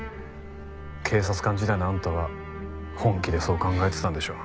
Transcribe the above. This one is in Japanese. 警察官時代のあんたは本気でそう考えてたんでしょう。